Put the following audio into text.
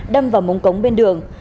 đâm vào mống cống bên đường